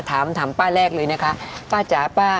ถามถามป้าแรกเลยนะคะป้าจ๋าป้า